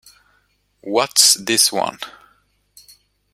What's this one?